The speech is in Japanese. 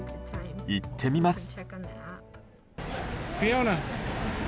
行ってみます。